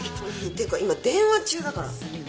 ていうか今電話中だから。